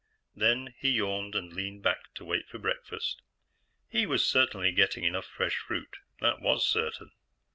Then he yawned and leaned back to wait for breakfast. He was certainly getting enough fresh fruit, that was certain.